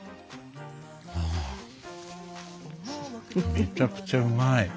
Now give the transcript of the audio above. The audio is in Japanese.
めちゃくちゃうまい。